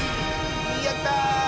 やった！